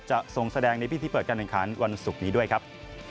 จะส่งแสดงในพิธีเปิดการแข่งขันวันศุกร์นี้ด้วยครับ